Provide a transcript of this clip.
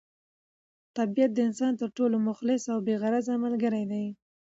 طبیعت د انسان تر ټولو مخلص او بې غرضه ملګری دی.